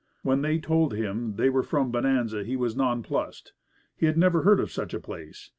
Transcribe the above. When they told him they were from Bonanza, he was nonplussed. He had never heard of such a place.